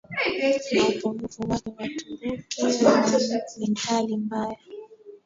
na upungufu wake Waturuki wana mithali mbaya